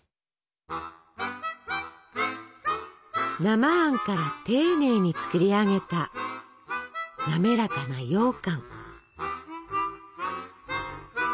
生あんから丁寧に作り上げた滑らかなようかん。